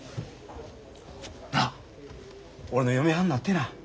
なっ俺の嫁はんになってえな。